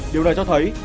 điều này cho thấy